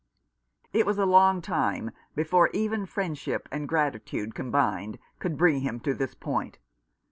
It was a long time before even friendship and gratitude combined could bring him to this point.